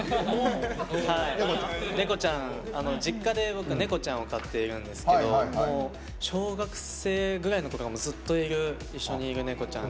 実家で僕、猫を飼っているんですけど小学生ぐらいのころからずっと一緒にいる猫ちゃん。